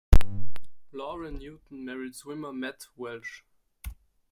Lauren Newton married swimmer Matt Welsh.